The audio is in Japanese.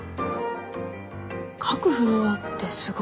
各フロアってすごい数じゃ。